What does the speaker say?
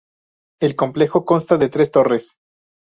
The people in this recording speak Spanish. El complejo consta de tres torres.